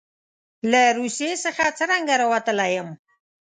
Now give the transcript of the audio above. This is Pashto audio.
له روسیې څخه څرنګه راوتلی یم.